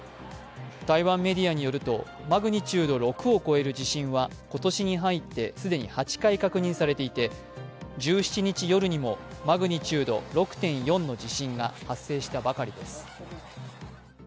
台湾メディアによると、マグニチュード６を超える地震は今年に入って既に８回確認されていて１７日夜にもマグニチュード６．４の地震が発生したばかりです。